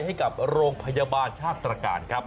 ให้กับโรงพยาบาลชาติตรการครับ